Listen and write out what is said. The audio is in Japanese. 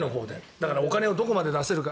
だからお金をどこまで出せるか。